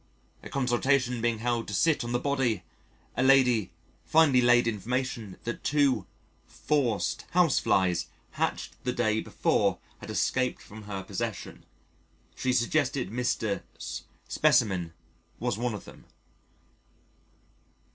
A consultation being held to sit on the body, a lady finally laid information that two "forced Houseflies" hatched the day before had escaped from her possession. She suggested Mr. 's specimen was one of them.